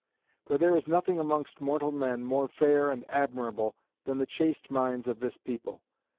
For there is nothing amongst mortal men more fair and admirable, than the chaste minds of this people.